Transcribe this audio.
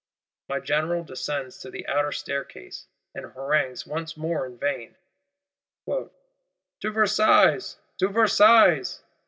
My General descends to the outer staircase; and harangues: once more in vain. 'To Versailles! To Versailles!